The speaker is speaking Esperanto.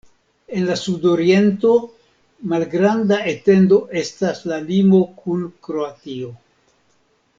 En la sudoriento, malgranda etendo estas la limo kun Kroatio.